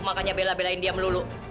makanya bela belain dia melulu